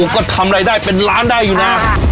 ก็ทำรายได้เป็นล้านได้อยู่นะ